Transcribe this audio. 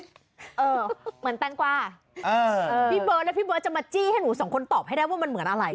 เหมือนแตงกวาพี่เบิร์ดแล้วพี่เบิร์ตจะมาจี้ให้หนูสองคนตอบให้ได้ว่ามันเหมือนอะไร